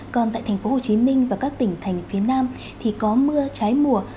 còn tại thành phố hồ chí minh và các tỉnh thành phía nam thì có mưa trái mùa